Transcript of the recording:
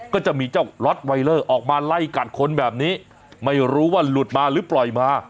ก็จะมีเจ้าล็อตไวเลอร์ออกมาไล่กัดคนแบบนี้ไม่รู้ว่าหลุดมาหรือปล่อยมา